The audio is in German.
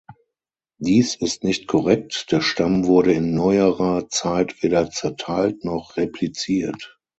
Dies ist nicht korrekt, der Stamm wurde in neuerer Zeit weder zerteilt noch repliziert.